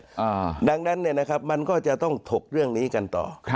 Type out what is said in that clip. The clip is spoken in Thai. เพราะฉะนั้นมันก็จะต้องถกเรื่องนี้กันต่อ